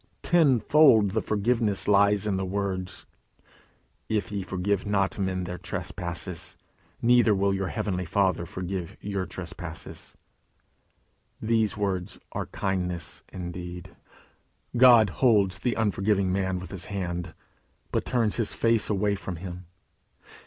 Tenfold the forgiveness lies in the words, "If ye forgive not men their trespasses, neither will your heavenly Father forgive your trespasses." Those words are kindness indeed. God holds the unforgiving man with his hand, but turns his face away from him.